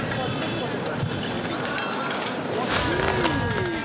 惜しい！